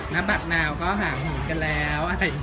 แล้วบัดนาวก็หางหูกันแล้วอะไรอย่างนี้